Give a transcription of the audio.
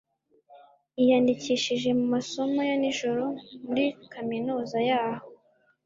yiyandikishije mu masomo ya nijoro muri kaminuza yaho